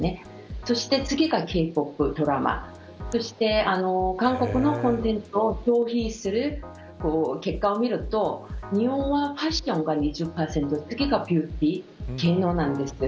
そして次がＫ‐ＰＯＰ、ドラマそして韓国のコンテンツを消費する結果を見ると日本はファションが２０％次がビューティー芸能なんです。